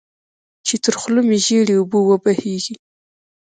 چې تر خوله مې ژېړې اوبه وبهېږي.